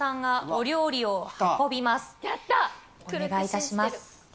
お願いいたします。